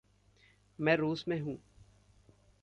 मैं रूस में हूँ।